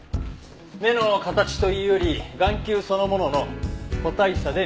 目の形というより眼球そのものの個体差で見極める。